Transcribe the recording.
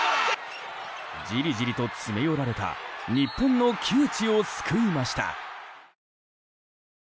じりじりと詰め寄られた日本の窮地を救いました。